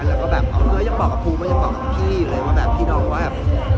แล้วก็แบบเออยังบอกกับครูก็ยังบอกกับพี่เลยว่าแบบพี่น้องว่าแบบ